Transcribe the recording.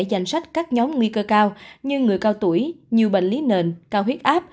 danh sách các nhóm nguy cơ cao như người cao tuổi nhiều bệnh lý nền cao huyết áp